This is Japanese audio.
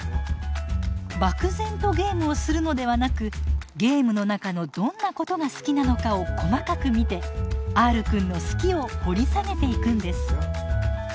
漠然とゲームをするのではなくゲームの中のどんなことが好きなのかを細かく見てＲくんの「好き」を掘り下げていくんです。